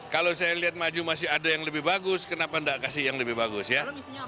kalau saya lihat maju masih ada yang lebih bagus kenapa enggak kasih yang lebih bagus ya